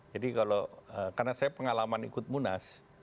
jadi kalau karena saya pengalaman ikut munas